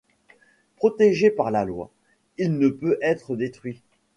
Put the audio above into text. Protégé par la loi, il ne peut être détruit.